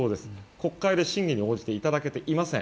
国会で審議に応じていただけていません。